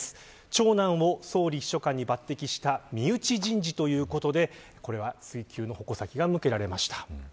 長男を総理秘書官に抜てきした身内人事ということでこれは追及の矛先が向けられました。